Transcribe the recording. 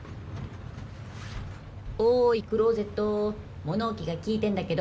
おいクローゼット物置が聞いてんだけど。